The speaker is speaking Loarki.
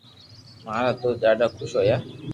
مارا دوست ڌاڌا خوݾ ھويا